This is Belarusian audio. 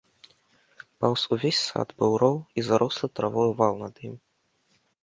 Паўз увесь сад быў роў і зарослы травою вал над ім.